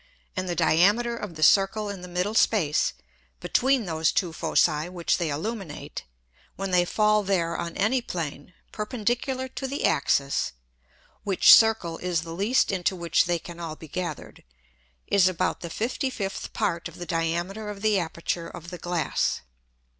And the Diameter of the Circle in the middle Space between those two Foci which they illuminate, when they fall there on any Plane, perpendicular to the Axis (which Circle is the least into which they can all be gathered) is about the 55th Part of the Diameter of the Aperture of the Glass.